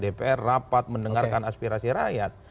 dpr rapat mendengarkan aspirasi rakyat